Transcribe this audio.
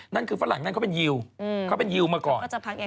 นั่นคือฝรั่งนั่นเขาเป็นยิวเขาเป็นยิวมาก่อนเขาก็จะพักอย่างไร